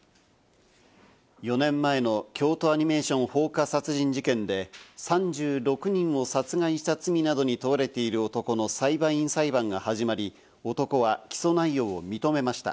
４年前の京都アニメーション放火殺人事件で３６人を殺害した罪などに問われている男の裁判員裁判が始まり、男は起訴内容を認めました。